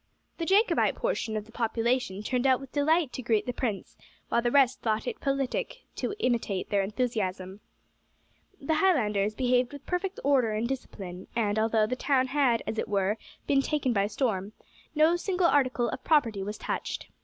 The Jacobite portion of the population turned out with delight to greet the prince, while the rest thought it politic to imitate their enthusiasm. The Highlanders behaved with perfect order and discipline, and although the town had, as it were, been taken by storm, no single article of property was touched.